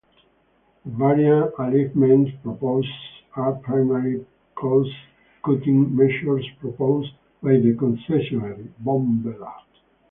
The variant alignment proposals are primarily cost-cutting measures proposed by the concessionaire, Bombela.